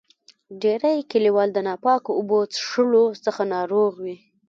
ډیری کلیوال د ناپاکو اوبو چیښلو څخه ناروغ وي.